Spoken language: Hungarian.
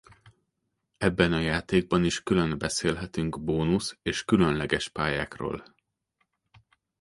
Ebben a játékban is külön beszélhetünk bónusz- és különleges pályákról.